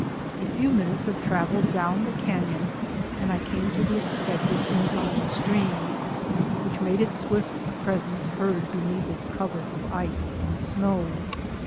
A few minutes of travel down the canon and I came to the expected incoming stream, which made its swift presence heard beneath its cover of ice and snow.